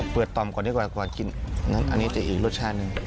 ต่อมก่อนดีกว่ากว่ากินอันนี้จะอีกรสชาติหนึ่ง